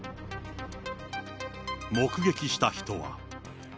目撃した人は。